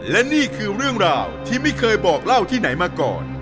และนี่คือเรื่องราวที่ไม่เคยบอกเล่าที่ไหนมาก่อน